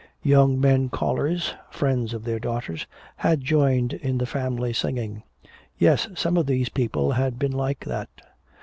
Young men callers, friends of their daughters, had joined in the family singing. Yes, some of these people had been like that.